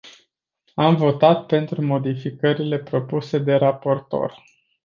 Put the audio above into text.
Am votat pentru modificările propuse de raportor.